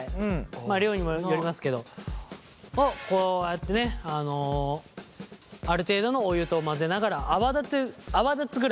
量にもよりますけど。をこうやってねあのある程度のお湯と混ぜながら泡立て泡立つぐらい。